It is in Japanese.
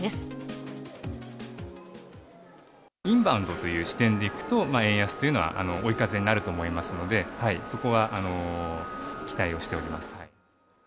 インバウンドという視点でいくと、円安というのは追い風になると思いますので、そこは期待をしております。